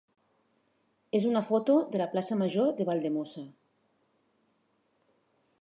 és una foto de la plaça major de Valldemossa.